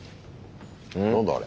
何だあれ。